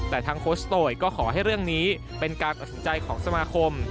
แต่ทางโคชโตยก็ขอให้เรื่องนี้เป็นการตัดสินใจของสมาคม